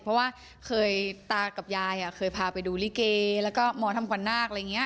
เพราะว่าเคยตากับยายเคยพาไปดูลิเกแล้วก็หมอทำขวัญนาคอะไรอย่างนี้